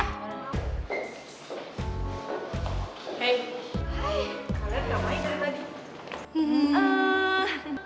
kalian gak main ya tadi